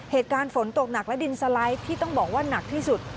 เหตุการณ์ฝนตกหนักและดินสไลด์ที่ต้องบอกว่าหนักที่สุด